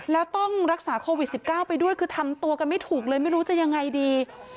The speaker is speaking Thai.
แล้วต้องรักษาโควิด๑๙ไปด้วยคือทำตัวกันไม่ถูกเลยไม่รู้จะยังไงดี